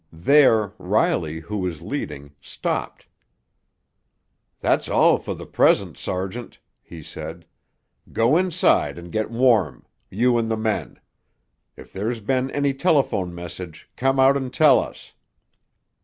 There Riley, who was leading, stopped. "That's all for the present, sergeant," he said. "Go inside and get warm—you and the men. If there's been any telephone message, come out and tell us."